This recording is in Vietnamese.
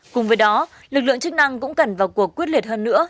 cùng với đó lực lượng chức năng cũng cần vào cuộc quyết liệt hơn nữa